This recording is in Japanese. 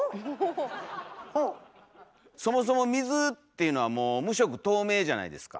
そもそも水っていうのは無色透明じゃないですか。